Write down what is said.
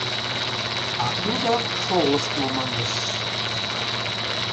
А тудо «шолыштмо» манеш!